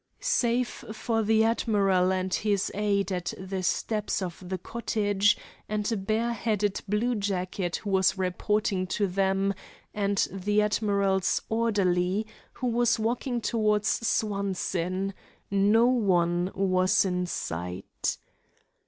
Save for the admiral and his aide at the steps of the cottage, and a bareheaded bluejacket who was reporting to them, and the admiral's orderly, who was walking toward Swanson, no one was in sight.